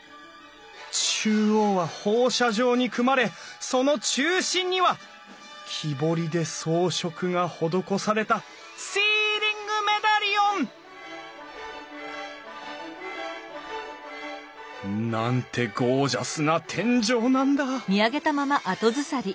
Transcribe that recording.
中央は放射状に組まれその中心には木彫りで装飾が施されたシーリングメダリオン！なんてゴージャスな天井なんだ！